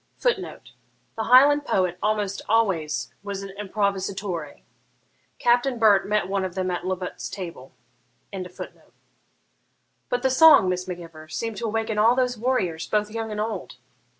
[Footnote: The Highland poet almost always was an improvisatore. Captain Burt met one of them at Lovat's table.] 'But the song, Miss Mac Ivor, seemed to awaken all those warriors, both young and old.'